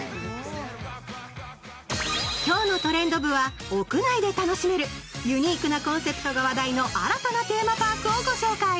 今日の「トレンド部」は屋内で楽しめるユニークなコンセプトが話題の新たなテーマパークをご紹介。